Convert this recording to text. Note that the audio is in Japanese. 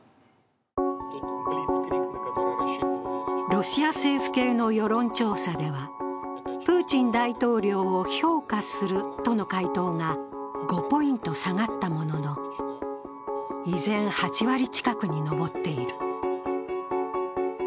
ロシア政府系の世論調査では、プーチン大統領を評価するとの回答が５ポイント下がったものの、依然８割近くに上っている。